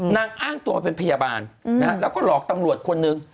นางอ้างตัวเป็นพยาบาลแล้วก็หลอกตำรวจคนหนึ่ง